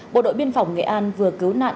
bộ đội biên phòng nghệ an vừa cứu nạn